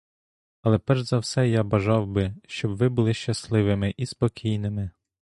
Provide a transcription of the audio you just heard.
Але перш за все я бажав би, щоб ви були щасливими і спокійними.